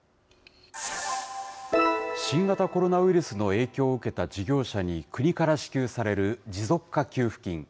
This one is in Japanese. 新型コロナウイルスの影響を受けた事業者に国から支給される持続化給付金。